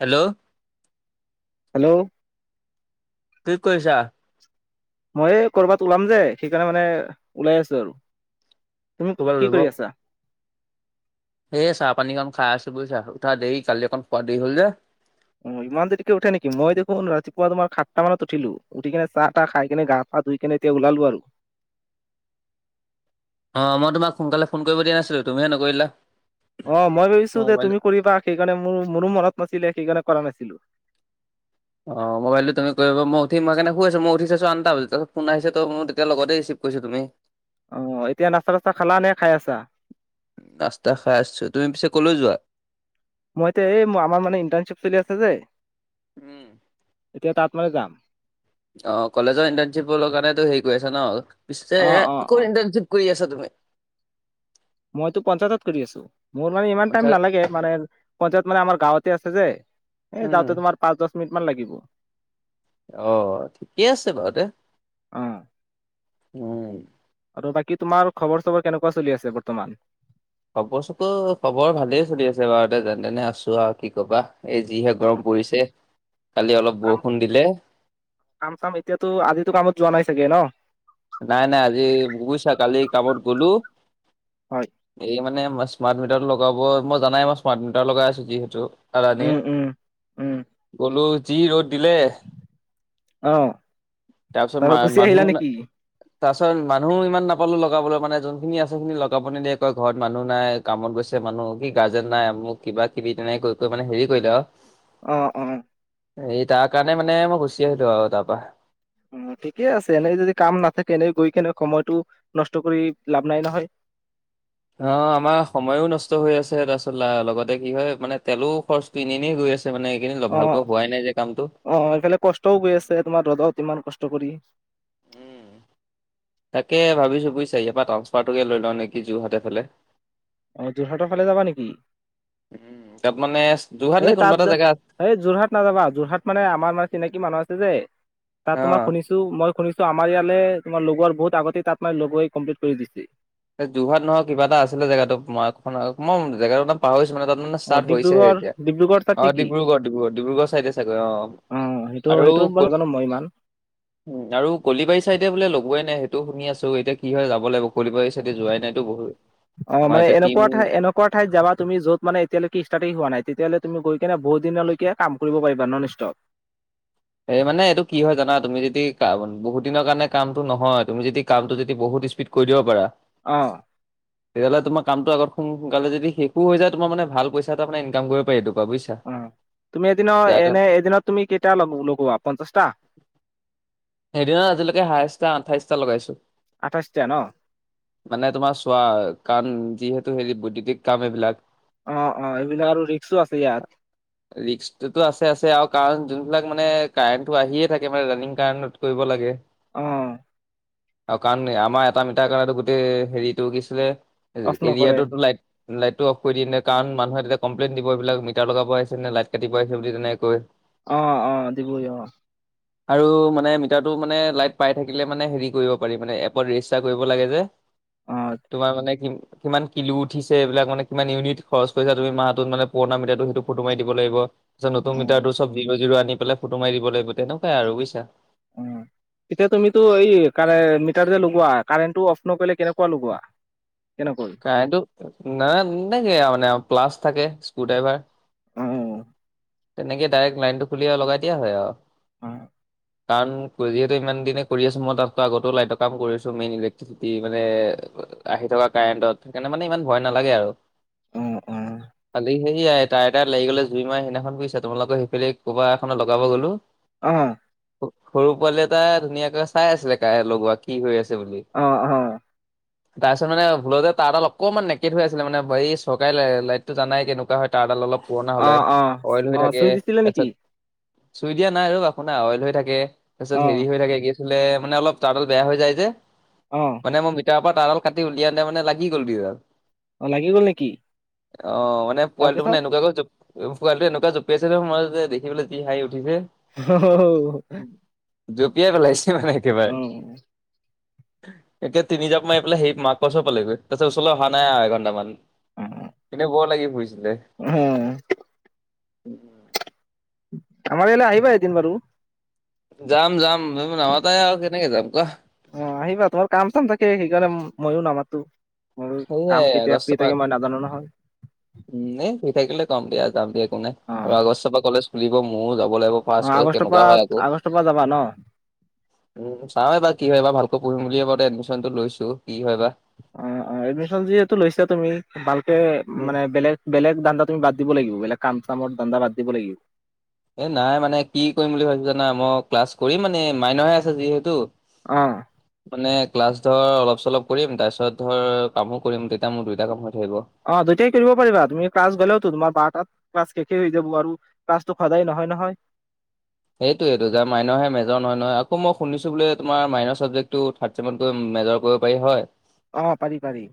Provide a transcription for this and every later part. Hello hello কি কৰিছা? মই এ ক'ৰবাত ওলাম যে সেইকাৰণে মানে ওলাই আছোঁ আৰু। তুমি ক'ৰবাত কি কৰি আছা? এ চাহ পানীকণ খাই আছোঁ বুজিছা উঠা দেৰি কালি অকণ খোৱা দেৰি হ'ল যে। অ ইমান দেৰিকে উঠে নেকি, মই দেখোন ৰাতিপুৱা তোমাৰ সাতটা মানত উঠিলো। উঠি কিনে চাহ তাহ খাই কিনে গা- পা ধুই কেনে এতিয়া ওলালো আৰু। অঁ মই তোমাক সোনকালে ফোন কৰিব দিয়া নাছিলোঁ তুমিহে নকৰিলা। অ মই ভাবিছোঁ যে তুমি কৰিবা সেইকাৰণে মোৰ মোৰো মনত নাছিলে সেইকাৰণে কৰা নাছিলোঁ। অঁ মই ভাবিলো তুমি কৰিবা মই উঠিম মই সেইকাৰণে শুই আছোঁ মই উঠি চাইছোঁ আঠটা বাজিল তাপিছত ফোন আহিছে ত' মই তেতিয়া লগতে ৰিচিভ কৰিছা তুমি। অ এতিয়া নাস্তা চাস্তা খালা নে খাই আছা? নাস্তা খাই আছোঁ। তুমি পিছে কলৈ যোৱা? মই এতিয়া এই আমাৰ মানে ইণ্টাৰ্ণশ্বিপ চলি আছে যে। উম এতিয়া তাত মানে যাম। অ কলেজৰ ইণ্টাৰণশ্বিপ কাৰণেটো হেৰি কৰি আছে ন, পিছে অ অ অ ইণ্টাৰশ্বিপ- কৰি আছা তুমি মইতো পঞ্চায়তত কৰি আছোঁ। মোৰ মানে ইমান টাইম নালাগে, মানে পঞ্চায়ত মানে আমাৰ গাঁৱতে আছে যে। এ যাওঁতে উম তোমাৰ পাঁচ - দশ মিনিট মান লাগিব। অ' ঠিকে আছে বাৰু দে। অ'। উম আৰু বাকী তোমাৰ খবৰ-চবৰ কেনেকুৱা চলি আছে বৰ্তমান? খবৰ চতো খবৰ ভালেই চলি আছে বাৰু তে, যেন-তেনে আছোঁ আৰু, কি ক'বা। এই যিহে অ, গৰম পৰিছে, কালি অলপ বৰষুণ দিলে। কাম-চাম এতিয়াটো আজিতো কামত যোৱা নাই চাগে ন'? নাই - নাই। আজি বুইছা কালি কামত গ'লো হয় এই মানে মা- স্মাৰ্ট মিটাৰটো লগাব, মই জানাই মই স্মাৰ্ট মিটাৰ লগাই আছোঁ যিহেতু। উম কলনিত। উম উম গ'লো, যি ৰ'দ দিলে আহ তাৰ পিছত তাৰপৰা মা- গুচি আহিলা মানুহও না নেকি? তাৰছত মানুহ ইমান নাপালো লগাবলৈ। মানে যোনখিনি আছে, সিখিনি লগাব নিদিয়ে, কয় ঘৰত মানুহ নাই। কামত গৈছে, মানুহ- কি গাৰ্জেন নাই, মোক কিবা কিবি তেনেকে কৈ - কৈ মানে হেৰি কৰিলে আৰু। অ' - অ'। এই তাৰ কাৰণে মানে মই গুচি আহিলোঁ আৰু তাৰ পৰা। উম, ঠিকে আছে। এনেই যদি কাম নাথাকে, এনেই গৈকেনে সময়টো নষ্ট কৰি লাভ নাই নহয়। অ' আমাৰ সময়ো নষ্ট হৈ আছে, তাৰপিছত ল লগতে কি হয়, মানে তেলো খৰচটো এনে এনেই গৈ আছে। ছে মানে এইকেইদিন ল- অ ভালকে হোৱাই নাই যে কামটো। অ' এইফালে কষ্টও গৈ আছে তোমাৰ ৰ'দত ইমান কষ্ট কৰি। উম তাকে ভাবিছোঁ বুইছা, ইয়াৰ পৰা ট্ৰাঞ্চফাৰটোকে লৈ লওঁ নেকি, যোৰহাটৰ ফালে। অ' যোৰহাটৰ ফালে যাবা নেকি? উম, তাত মানে যোৰহাট নে এই কোনোবা এটা তাত- জেগা আছ- এই যোৰহাট নাযাবা। যোৰহাট মানে আমাৰ মানে চিনাকি মানুহ আছে যে তাত অ তোমাৰ শুনি ছোঁ- মই শুনিছোঁ আমাৰ ইয়ালে তোমাৰ লগৰ বহুত আগতে তাত মানে লগই কমপ্লিট কৰি দিছি। এই যোৰহাট নহয়, কিবা এটা আছিলে জেগাটো [unintelligible] মই জেগাটোৰ নাম পাহৰিছোঁ মানে, তাত মানে অ ষ্টাৰ্ট হৈছেহে ডিব্ৰুগড় এতিয়া। ডিব্ৰুগড় তাত অ' নেকি ডিব্ৰুগড় - ডিব্ৰুগড়। ডিব্ৰুগড় ছাইডে চাগৈ অ'। অ' সেইটো - আৰু সেইটো ক- বাৰু মই ইমান উম আৰু কলিবাৰী চাইডে বোলে লগোৱাই নাই। সেইটো শুনি আছোঁ। এতিয়া কি হয়, যাব লাগিব কলিবাৰী তাতে যোৱাই নাইতো বহুত। আমাৰ এতিয়া টিম কৰ ঠাইত যাবা তুমি, য'ত মানে এতিয়ালৈকে ইষ্টাৰ্টতেই হোৱা নাই। তেতিয়াহ'লে তুমি গৈকেনে বহুদিনলৈকে কাম কৰিব পাৰিবা ননষ্টপ। এই মানে এইটো কি হয় জানা? তুমি যদি কা- বহুত দিনৰ কাৰণে কামটো নহয়, তুমি যদি কামটো যদি বহুত ইস্পীড কৰি দিব পাৰা অ'। তেতিয়াহ'লে তোমাৰ কামটো আগত সো- সোনকালে যদি শেষো হৈ যায়, তোমাৰ মানে ভাল পইচা এটা মানে ইনকাম কৰিব পাৰি এইটো পৰা, বুইছা? অ'। তুমি এদিনৰ এনে- এদিনত তুমি কেইটা লগ- লগোৱা? পঞ্চাশটা? এদিনত আজিলৈকে হাইয়েছটা আঠাইশটা লগাইছোঁ। আঠাইশটা ন'? মানে তোমাৰ চোৱা, কাৰণ যিহেতু হেৰি বৈদ্যুতিক কাম এইবিলাক অ' - অ' এইবিলাক আৰু ৰিক্সো আছে ইয়াত। ৰিক্সটোতো আছে - আছে আৰু কাৰণ যো এইবিলাক মানে কাৰেণ্টটো আহিয়ে থাকে, মানে ৰানিং কাৰেণ্টত কৰিব লাগে। অ'। অকাৰণে আমাৰ এটা মিটাৰ কাৰণেতো গোটেই হেৰিটো কি আছিলে, এ- অফ নকৰে এৰিয়াটোতো লাইট লাইটটো অফ কৰি দিয়ে নে, কাৰণ মানুহে তেতিয়া কমপ্লেইন দিব এইবিলাক মিটাৰ লগাব আহিছে নে লাইট কাটিব আহিছে বুলি তেনেকে কয়। অ' - অ' দিবই অ'। আৰু মানে মিটাৰটো মানে লাইট পাই থাকিলে মানে হেৰি কৰিব পাৰি, মানে এপত ৰেজিষ্টাৰ কৰিব লাগে যে। অ অ তোমাৰ মানে কি- কিমান কিলো উঠিছে, এইবিলাক মানে কিমান ইউনিট খৰচ কৰিছা তুমি মাহটোত, মানে পুৰণা মিডিয়াটো সেইটো ফটো মাৰি দিব লাগিব। নতুন মিটাৰটো চব জিৰ জিৰো আনি পেলাই ফটো মাৰি দিব লাগিব তেনেকুৱাই আৰু বুজিছা। উম এতিয়া তুমিতটো এই মিটাৰ যে লগোৱা কাৰেণ্টো অফ নকৰিলে কেনেকুৱা লগোৱা। কেনেকৈ কাৰেণ্টো না তেনেকেই আৰু মানে প্লাছ থাকে স্ক্ৰু ড্ৰাইভাৰ- অ তেনেকে ডাইৰেক্ট লাইনটো খুলি আৰু লগাই দিয়া হয় আৰু- হয় কাৰণ যিহেতু ইমান দিনে কৰি আছো মই তাতকো আগতেও লাইটৰ কাম কৰি আছো মেইনলি মানে আহি থকা কাৰেন্টত সেইকাৰণে মানে ইমান ভয় নালাগে আও। উম উম কালি সেয়াই তাই এটাত লাগি গ'লে জুই মাই সেইদিনাখন বুজিছা। তোমালোকৰ সেইফালে ক'বা এখনত লগাব গ'লো। অঁ। সৰু পোৱালি এটা ধুনীয়াকৈ চাই আছিলে কাই লগোৱা কি হৈ আছিল। বুলি, অ', অ', তাৰপিছত মানে- ভুলতে তাৰডাল অকমান নেকেট হৈ আছিলে মানে এই চৰকাৰী লা লাইটটো জানাই কেনেকুৱা হয়। তাঁৰ ডাল অলপ পুৰণা হ'লে অ', অ', অইল হৈ অ', থাকে, চুই দিছিলে নেকি? তাৰপিছত- চুই দিয়া নাই অ আপোনাৰ অইল হৈ থাকে। তাপিছত অ', হেৰি হৈ থাকেগে। ছিলে মানে অলপ তাৰডাল বেয়া হৈ যায় যে। অঁ। মানে মই মিটাৰ পা তাৰডাল কাটি উলিয়াটে মানে লাগি গ'ল দুইডাল। অ লাগি গ'ল নেকি? অ মানে পোৱালিটো তাৰপিছত মানে এনেকুৱাকৈ জ- পোৱালিটো এনেকুৱা জপিইছে যে মই যে দেখি পেলাই যি হাঁহি উঠিছে। [unintelligible] জঁপিয়াই পেলাইছে মানে একেবাৰে। অ', এতিয়া তিনি যাপ মাই পেলাই সেই মাক- ক'ৰ ওচৰ পালেগৈ, তাৰ পিছত ওচৰলৈ অহা নাই আও এঘণ্টামান। এনে বৰ লাগি ফুৰিছিলে। উম। আমাৰ ইয়ালে আহিবা এদিন বাৰু। যাম যাম, নামাতাই আৰু কেনেকে যাম কোৱা? অঁ আহিবা, তোমাৰ কাম চাম থাকে সেইকাৰণে মইয়ো নামাতো। মোৰ সেয়াই কাম কেতিয়া আগষ্টৰ ফ্ৰী পৰা থাকে মই নাজানো নহয়। উম এই শুই থাকিলে কম দিয়া যাম দিয়া একো নাই, আৰু অ', আগষ্ট পা কলেজ- খোলিব মৌ যাব লাগিব। ফাৰ্ষ্ট অঁ ফাৰ্ষ্ট আগষ্টৰ পৰা কেনেকুৱা হয় আকৌ আগষ্টৰ পৰা যাবা ন? উম চাও এইবাৰ কি হয়। এইবা ভালকৈ পঢ়িম বুলিয়ে ক এডমিচনটো লৈছো, কি হয় বা। অঁ অঁ এডমিশ্যন যিহেতু লৈছা তুমি। ভালকে উম, মানে বেলেগ বেলেগ ধান্দা তুমি বাদ দিব লাগিব, বেলেগ কাম চামৰ ধান্দা বাদ দিব লাগিব। এ নাই মানে কি কৰিম বুলি ভাবিছো জানা? ম‌ই ক্লাছ কৰিম মানে মাইনৰহে আছে যিহেতু। অ', মানে ক্লাছ ধৰ অলপ চলপ কৰিম। তাৰপিছত ধৰ কামো কৰিম তেতিয়া মোৰ দুইটা কাম হৈ থাকিব। অ দুইটাই কৰিব পাৰিবা। তুমি ক্লাছ গ'লেওটো তোমাৰ বাৰ তাত ক্লাছ শেষে হৈ যাব আৰু। ক্লাছতো সদায় নহয় নহয়। সেইটোয়েইটো যাৰ মাইনৰহে মেজৰ নহয় নহয়। আকৌ ম‌ই শুনিছো বোলে তোমাৰ মাইনৰ চাবজেক্টটোত। থাৰ্ড চেমত গৈ মেজৰ কৰিব পাৰি হয়? অ পাৰি পাৰি।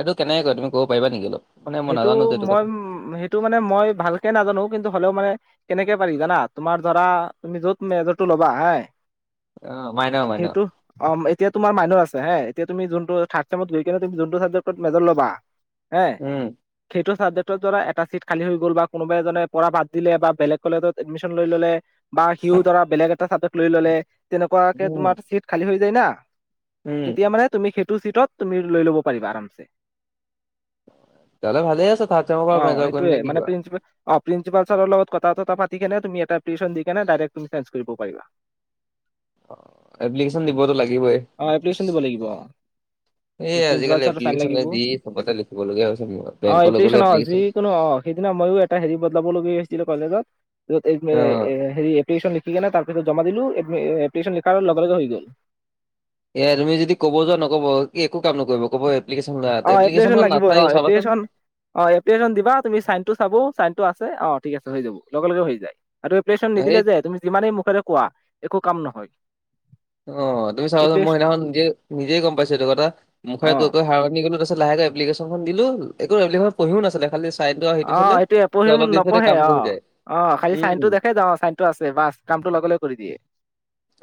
এইটো কেনেকে কৰে তুমি কব পাৰা নেকি অলপ। মানে মই সেইটো নাজানো যে এইটো মই কথা উ সেইটো মানে মই ভালকে নাজানো কিন্তু হ'লেও মানে- কেনেকে পাৰি জানা তোমাৰ ধৰা, তুমি যত মেজৰতটো ল'বা হে- অ মাইনহ মাইনহ অ এতিয়া তোমাৰ মাইনৰ আছে হা, এতিয়া তুমি যোনটো থাৰ্ড চেমত গৈ কিনে, তুমি যোনটো ছাবজক্ট মেজৰ লবা- হে। উম। সেইটো চাবজেক্টৰ ধৰা এটা চিট খালী হৈ গল বা কোনোবা এজনে পঢ়া বাদ দিলে বা বেলেগ কলেজত এডমিশন লৈ ললে বা সিও ধৰা বেলেগ এটা চাবজেক্ট লৈ ললে। তেনেকুৱাকে উম, তোমাৰ চিট খালী হৈ যায় না উম, তেতিয়া মানে তুমি সেইটো চিটত তুমি লৈ লব পাৰিবা আৰামছে। দাদা ভালে আছে থাৰ্ড চেমৰ পৰা অ', মেজৰ কৰিম, সেইটোয়ে নে কি মানে কোৱা? প্ৰিন্সিপাল অ প্ৰিন্সিপাল ছাৰৰ লগত কথা সথা পাতি কেনে তুমি এটা এপলিকেশন দি কেনে ডাইৰেক্ট তুমি চেঞ্চ কৰিব পাৰিবা। [inaudible] অ এপ্লিকেশন দিবতো লাগিবই অ', এপ্লিকেশ্যন দিব লাগিব অ', এই প্ৰিন্সিপাল আজিকালি ছাৰৰ চাইন এপ্লিকেশনে লাগিব। যি চবতে লিখিবলগীয়া হৈছে মোৰ অ বেংকলৈ গ'লে এপ্লিকেশন অ এপ্লিকেশ্যন যিকোনো অ সেইদিনা মইও এটা হেৰি বদলাব লগীয়া হৈছিলো কলেজত, যত অ হে হেৰি এপ্লিকেচন লিখিকেনে তাৰপিছত জমা দিলো এ্লিকেশন লিখাৰ লগে লগে হৈ গ'ল। এয়া তুমি যদি ক'ব যোৱা নকব কি একো কাম নকৰিব কব এপ্লিকেশন লৈ আহ, অ এপ্লিকেচন এপ্লিকেশ্যন লাগিবই অ নাচায়ও চাবাচোন এপ্লিকেশ্যন অ এপ্লিকেশ্যন দিবা তুমি চাইন টো চাব, চাইনটো আছে, অ ঠিক আছে হৈ যাব, লগে লগে হৈ যায় আৰু এপ্লিকেশ্বন সেই নিদিলে যে তুমি যিমানেই মুখৰে কোৱা একো কাম নহয়। অ তুমি চাব এপ্লিকেশ মই সিদিনাখন নিজে, নিজে গম পাইছো এইটো কথা মুখে অ কৈ কৈ হাৰ মানি গলো তাৰ পিছত লাহে লাহে এ্লিকেশ্যনখন দিলো, একো এপ্লিকেচন পঢ়িও নাছিলে খালি চাইনটো আৰু সেইটো অ চালে এইটো পঢ়ি [unintelligible] মোৰ অলপ দেৰি পিছতে নপঢ়ে কাম অ কৰি যায় অ খালি চাইন উম টো দেখে, যে চাইনটো আছে, বাচ কামটো লগে লগে কৰি দিয়ে।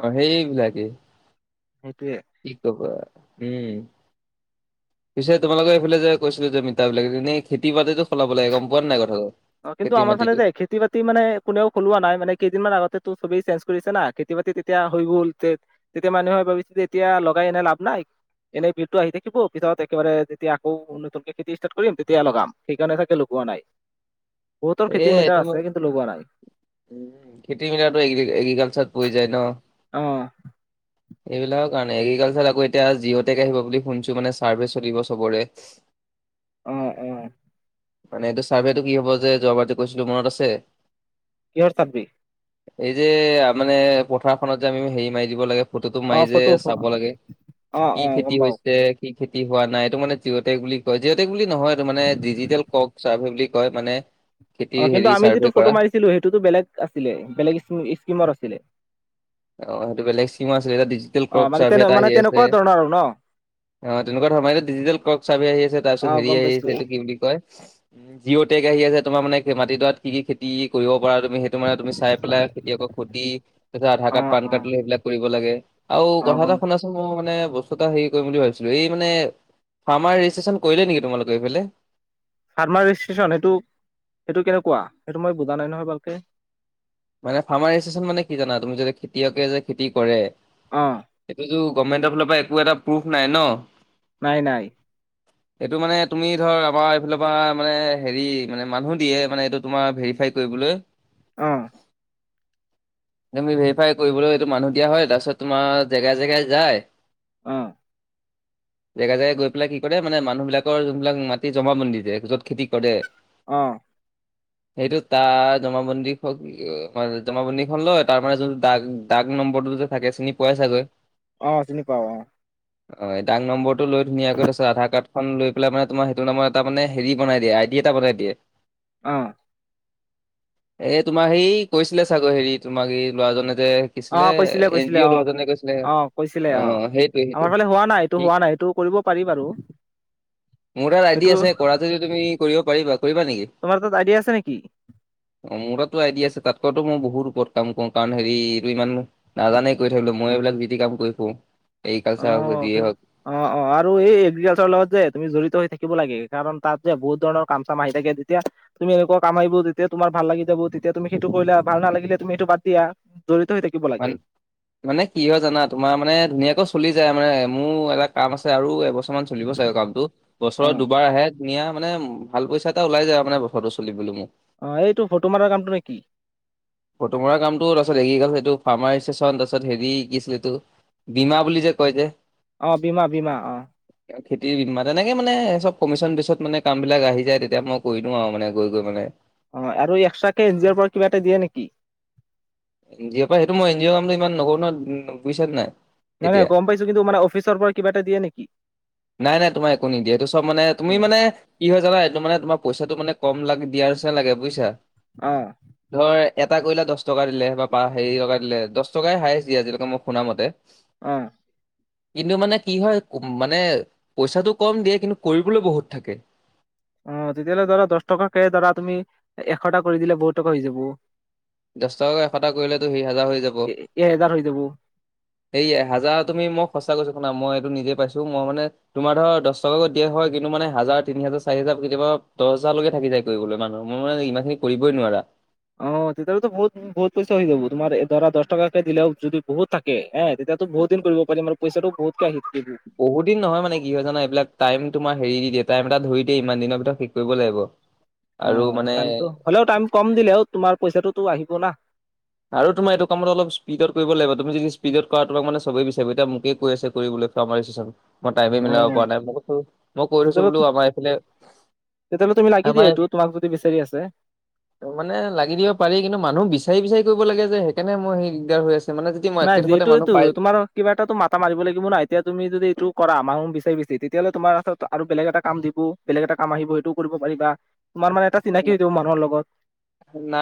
অ সেইবিলাকে সেইটোৱে কি কবা, উম। [inaudible] পিছে তোমালোকৰ এইফালে যে কৈছিলো যে মিতাবিলাক এনে খেতি বাতিতো চলাব লাগে গম পোৱা নাই কথাটো। অ কিন্তু খেতি আমাৰ ফালে মাটিটো খেত খেতি বাতি মানে কোনেও সলোৱা নাই মানে কেইদিনমান আগতে তো সবেই চেঞ্জ কৰিছে না খেতি বাতি তেতিয়া হৈ গ'ল তে তেতিয়া মানুহে ভাবিছিলে যে এতিয়া লগাই এনেই লাভ নাই এনেই বিলটো আহি থাকিব অফিছত একেবাৰে যদি আকৌ নতুনক খেতি ষ্টাৰ্ কৰিম তেতিয়া লগাম, সেইকাৰণে চাগে লগোৱা নাই। ৰ খেতি মেটা আছে কিন্তু লগোৱা নাই উ খেতি মেলাটো এগ্ৰিকালচাৰত পৰি যায় ন? [inaudible] এইবিলাকৰ কাৰণে এগ্ৰিকালচাৰ আকৌ এতিয়া জিঅ'টেক আহিব বুলি শুনিছো মানে চাৰ্ভে চলিব চবৰে অহ অহ। মানে এইটো চাৰ্ভেটো কি হ'ব যে যোৱাবাৰ যে কৈছিলো মনত আছে এ চাবি [unintelligible] এই যে মানে পথাৰখনত যে আমি হেৰি মাৰি দিব লাগে, ফটোটো মাৰি অ', যে ফটো চাব লাগে অ', কি অ', গম খেতি পাও হৈছে। কি খেতি হোৱা নাই এইটো মানে জি অ'টেক বুলি কয় জিঅ'টেক বুলি নহয় এইটো মানে ডিজিটেল কক ছাৰ্ভে বুলি কয় মানে। অ, খেতিৰ কিন্তু হেৰি আমি যিটো চাৰ্ভে ফটো কৰা। মাৰিছিলো সেইটোতো বেলেগ আছিলে বেলেগ স্কিমৰ আছিলে অ সেইটো বেলেগ স্কিমৰ আছিলে এতিয়া ডিজিটেল ক্ৰপ চাৰ্ভ এটা আহি আছে। এনেকুৱা ধৰণৰ আৰু ন। অ তেনেকুৱা ধৰণে ডিজিটেল কক ছাৰ্ভে আহি আছে তাৰ পিছত অ', হেৰি গম আহি পাইছো আছে এইটো কি বুলি কয় জিঅ' টেক আহি আছে তোমাৰ মানে মাটিডৰাত কি কি খেতি টি কৰিব পৰা তুমি সেইটো মানে তুমি চাই পেলাই খেতিয়ক সুধি তাৰপিছত আধাৰ কাৰ্ড অ', পান অ', কাৰ্ড, সেইবিলাক কৰিব লাগে আৰু অ', কথা গম এটা শুনাচ মই মানে বস্তু এটা হেৰি কৰিম বুলি ভাবিছিলো এই মানে, ফাৰ্মাৰ ৰেজিষ্ট্ৰেচন কৰিলে নেকি তোমালোকৰ এইফালে ফাৰ্মাৰ ৰেজিষ্ট্ৰেশ্যন সেইটো -সেইটো কেনেকুৱা? সেইটো মই বুজা নাই নহয় ভালকে মানে ফাৰ্মাৰ এছেছন মানে কি জানা? তুমি যদি খেতিয়কে যে খেতি কৰে অ'। সেইটোতো গভমেণ্টৰ ফালৰ পৰা একো এটা প্ৰুফ নাই ন'। নাই - নাই। এইটো মানে তুমি ধৰ, আমাৰ এইফালৰ পৰা মানে, হেৰি মানে মানুহ দিয়ে, মানে এইটো তোমাৰ ভেৰিফাই কৰিবলৈ। অ'। তুমি ভেৰিফাই কৰিবলৈ এইটো মানুহ দিয়া হয়। তাৰছত তোমাৰ জেগাই - জেগাই যায়। অ'। জেগা - জেগা গৈ পেলাই কি কৰে, মানে মানুহবিলাকৰ যোনবিলাক মাটি জমাবন্দী দিয়ে, য'ত খেতি কৰে অ'। সেইটো তাৰ জমাবন্দী হওঁক অ'- জমাবন্দী খন লয়। তাৰ মানে যোনটো দাগ- দাগ নম্বৰটো যে থাকে, চিনি পোৱায়ে চাগৈ। অ', চিনি পাওঁ অ'। অ' দাগ নম্বৰটো লৈ ধুনীয়াকৈ তাছত আধাৰ কাৰ্ডখন লৈ পেলাই মানে তোমাৰ সেইটো নামৰ এটা মানে হেৰি বনাই দিয়ে, আই ডি এটা বনাই দিয়ে। অ'। এই তোমাৰ সেই কৈছিলে চাগৈ হেৰি তোমাক এই ল'ৰাজনে যে শিকিছিলে অ' কৈছিলে - এন কৈছিলে, জি ল'ৰাজনে কৈছিলে অ'। অ' কৈছিলে অ'। সেইটোৱে সেইটোৱে আমাৰফালে হোৱা নাই এইটো, সি হোৱা নাই এইটো। কৰিব পাৰি বাৰু। মোৰ তাত আই ডি সেইটো আছে। কৰা যদি তুমি, কৰিব পাৰিবা। কৰিবা নেকি? তোমাৰ তাত আই ডি আছে নেকি? অ' মোৰ তাততো আই ডি আছে। তাতকৈটো মোৰ বহুত ওপৰত কাম কৰোঁ, কাৰণ হেৰি এইটো ইমান নাজানেই কৰি থাকিবলৈ। মই এইবিলাক যি-টি কাম কৰি ফুৰোঁ। অ এগ্ৰিকালচাৰ হওঁক যিয়ে হওঁক। অ' - অ'। আৰু এই এগ্ৰিকালচাৰৰ লগত যে তুমি জড়িত হৈ থাকিব লাগে, কাৰণ তাত যে বহুত ধৰণৰ কাম-চাম আহি থাকে। তেতিয়া তুমি এনেকুৱা কাম আহিব, তেতিয়া তোমাৰ ভাল লাগি যাব। তেতিয়া তুমি সেইটো কৰিলে ভাল নালাগিলে, তুমি সেইটো বাদ দিয়া। জড়িত হৈ থাকিব মান লাগে। মানে কি হয় জানা? তোমাৰ মানে ধুনীয়াকৈ চলি যায়, মানে মোৰ এটা কাম আছে আৰু এবছ কিছুমান চলিব চাগৈ কামটো। অ বছৰত দুবাৰ আহে ধুনীয়া মানে ভাল পইচা এটা ওলাই যায় আৰু মানে, বছৰটো চলিবলে মোক। অ' এইটো ফটো মাৰা কামটো নেকি? ফটো মৰা কামটো, তাৰছত এগ্ৰিকাল এইটো ফাৰ্মাৰ‌ ৰেষ্টেচন, তাৰছত হেৰি কি আছিল এইটো বীমা বুলি যে কয় যে। অ' বীমা - বীমা, অ'। খেতিৰ বীমা। তেনেকে মানে চব কমিশ্যন বেছত মানে কামবিলাক আহি যায়। তেতিয়া মই কৰি দিওঁ আৰু মানে, গৈ - গৈ মানে। অ' আৰু এক্সট্ৰাকে এন জি অৰ পৰা কিবা এটা দিয়ে নেকি? এন জি অ পৰা সেইটো মই এন জি অ' কামটো ইমান নকৰোঁ নহয়, বুইছান নাই? নাই - নাই, এতিয়া গম পাইছোঁ। কিন্তু মানে অফিচৰ পৰা কিবা এটা দিয়ে নেকি? নাই - নাই, তোমাৰ একো নিদিয়ে। এইটো চব মানে- অ তুমি মানে কি হয় জানা? এইটো মানে তোমাৰ পইচাটো মানে কম লাগ দিয়াৰ যেন লাগে, বুইছা? অ ধৰ এটা কৰিলা, দশ টকা দিলে বা পা- হেৰি টকা দিলে। দশ টকাই হাইয়েছ দিয়ে, আজিলৈকে মই শুনা মতে। অ কিন্তু মানে কি হয়, মানে পইচাটো কম দিয়ে, কিন্তু কৰিবলৈ বহুত থাকে। অ' তেতিয়াহ'লে ধৰা দশ টকাকে ধৰা তুমি, এশটা কৰি দিলে বহুত টকা হৈ যাব। দশ টকাকে এশটা কৰিলেতো সি হাজাৰ হৈ যাব। এ এহেজাৰ হৈ যাব সেই এহাজাৰত তুমি- মই সঁচা কৈছোঁ শুনা, মই এইটো নিজে পাইছোঁ। মই মানে তোমাৰ ধৰ, দশ টকা কৰি দিয়ে, হয়। কিন্তু মানে হাজাৰ, তিনি হাজাৰ, চাৰি হাজাৰ, কেতিয়াবা দশ হাজাৰলৈকে থাকি যায়। কৰিবলৈ মানুহ। মোৰ মানে ইমানখিনি কৰিবই নোৱাৰা। অ' তেতিয়াটোতো বহুত - বহুত পইচা হৈ যাব। তোমাৰ এ ধৰা, দশ টকাকে দিলেও যদি বহুত থাকে, এ তেতিয়া তো বহুদিন কৰিব পাৰিম আৰু পইচাটো বহুতকে আহি [inaudible] বহু দিন নহয় মানে কি হয় জানা এইবিলাক টাইম তোমাৰ হেৰি দি দিয়ে টাইম এটা ধৰি দিয়ে ইমান দিনৰ ভিতৰত শেষ কৰিব লাগিব। আৰু অ' মানে টাইমটো- হ'লেও টাইম কম দিলেও, তোমাৰ পইচাটোতো আহিব না। আৰু তোমাৰ এইটো কামত অলপ স্পীডত কৰিব লাগিব তুমি যদি স্পীডত কৰা তোমাক মানে ছবেই বিচাৰিব এতিয়া মোকে কৈ আছে কৰিবলে। ফাৰ্মা ৰেজিষ্ট্ৰেচন মই টাইমে অ মিলাব পৰা নাই। মই কৈছো মই কৈ থৈছো তেতিয়াহ'লে বোলো আমাৰ এইফালে উস তেতিয়াহ'লে তুমি লাগি দিয়া এইটোত তোমাক যদি বিচাৰি আছে। ত মানে লাগি দিব পাৰি কিন্তু মানুহ বিচাৰি বিচাৰি কৰিব লাগে যে সেইকাৰণে মই সেই দিগদাৰ হৈ আছে। মানে যদি মই নাই একে থোপতে যিহেতুটো মানুহ পায় তোমাৰ কিবা এটাতো মাথা মাৰিব লাগিব ন এতিয়া তুমি যদি এইটো কৰা মানুহ বিচাৰি বেচি তেতিয়াহলে তোমাৰ ওচৰত তো আৰু বেলেগ এটা কাম দিবও। বেলেগ এটা কাম আহিব সেইটোও কৰিব পাৰিবা, তোমাৰ মানে এটা চিনাকি হৈ যাব মানুহৰ লগত। শুনা